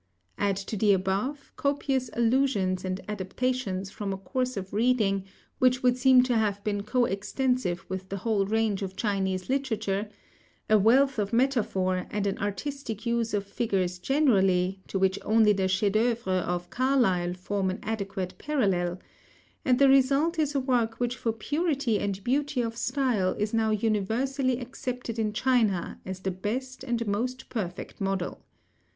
Add to the above, copious allusions and adaptations from a course of reading which would seem to have been co extensive with the whole range of Chinese literature, a wealth of metaphor and an artistic use of figures generally to which only the chef d'œuvres of Carlyle form an adequate parallel; and the result is a work which for purity and beauty of style is now universally accepted in China as the best and most perfect model.